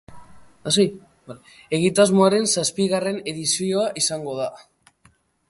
Egitasmoaren zazpigarren edizioa izango da.